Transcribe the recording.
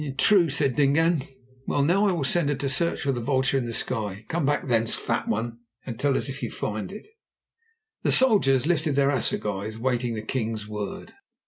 "True," said Dingaan. "Well, now I will send her to search for the vulture in the sky. Come back thence, Fat One, and tell us if you find it." The soldiers lifted their assegais, waiting the king's word.